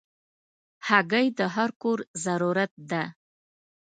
هګۍ د هر کور ضرورت ده.